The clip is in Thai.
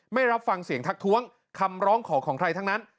ไม่รับฟังเสียงทักท้วงคำร้องขอของใครทั้งนั้น